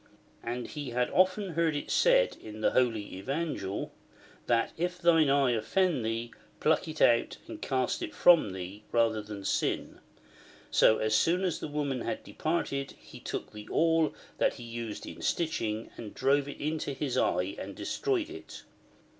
And he had often heard it said in the Holy Evangel, that if thine eye offend thee, pluck it out and cast it from thee, rather than sin. So, as soon as the woman had departed, he took the awl that he used in stitching, and drove it into his eye and de stroyed it.